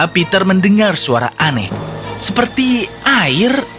peter mendengar suara aneh seperti air